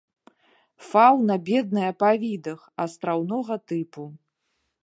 Фауна бедная па відах, астраўнога тыпу.